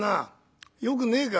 「よくねえか？